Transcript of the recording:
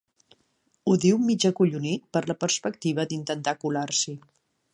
Ho diu mig acollonit per la perspectiva d'intentar colar-s'hi.